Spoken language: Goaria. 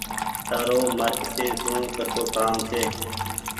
تآرو مآچيسي سون ڪسو ڪآم ڇي۔